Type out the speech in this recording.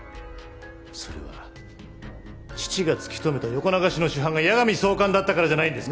それは父が突き止めた横流しの主犯が矢上総監だったからじゃないんですか？